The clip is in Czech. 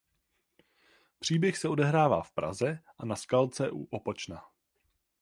Příběh se odehrává v Praze a na Skalce u Opočna.